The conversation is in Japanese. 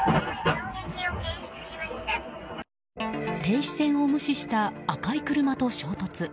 停止線を無視した赤い車と衝突。